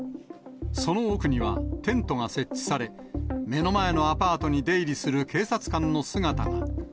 その奥にはテントが設置され、目の前のアパートに出入りする警察官の姿が。